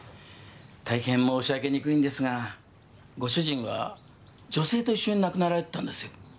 大変申し上げにくいんですがご主人は女性と一緒に亡くなられてたんですよ。